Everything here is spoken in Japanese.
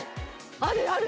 あるある！